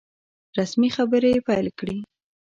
رسمي خبري پیل کړې.